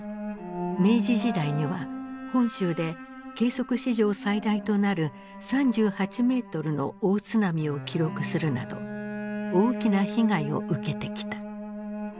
明治時代には本州で計測史上最大となる３８メートルの大津波を記録するなど大きな被害を受けてきた。